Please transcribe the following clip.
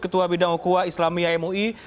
ketua bidang okuwa islami amui